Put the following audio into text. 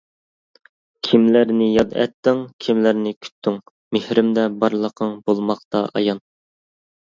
كىملەرنى ياد ئەتتىڭ ،كىملەرنى كۈتتۈڭ, مېھرىمدە بارلىقىڭ بولماقتا ئايان.